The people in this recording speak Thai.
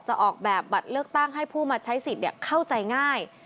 ออกแบบบัตรเลือกตั้งให้ผู้มาใช้สิทธิ์เข้าใจง่าย